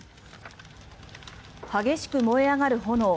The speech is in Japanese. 激しく燃え上がる炎。